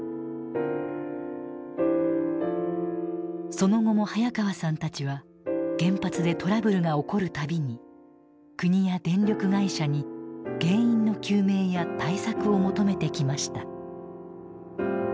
その後も早川さんたちは原発でトラブルが起こる度に国や電力会社に原因の究明や対策を求めてきました。